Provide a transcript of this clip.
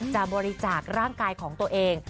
จะบริจาคร่างกายของตัวเอง